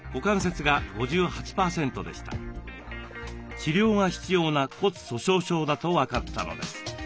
治療が必要な骨粗しょう症だと分かったのです。